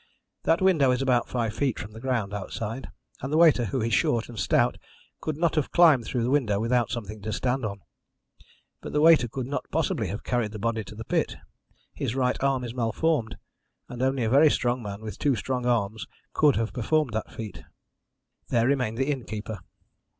That window is about five feet from the ground outside, and the waiter, who is short and stout, could not have climbed through the window without something to stand on. But the waiter could not possibly have carried the body to the pit. His right arm is malformed, and only a very strong man, with two strong arms, could have performed that feat. "There remained the innkeeper.